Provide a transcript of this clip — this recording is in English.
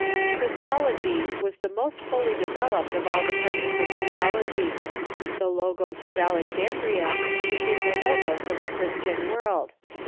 Christology was the most fully developed of all departments of theology. The Logos of Alexandria became the Logos of the Christian world.